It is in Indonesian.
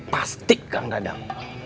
pasti kang dadam